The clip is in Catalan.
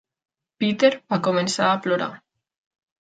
Peter va començar a plorar.